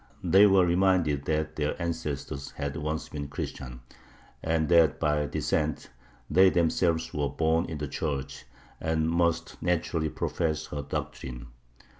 They were reminded that their ancestors had once been Christian, and that by descent they themselves were born in the Church, and must naturally profess her doctrine.